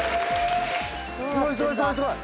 すごいすごいすごいすごい。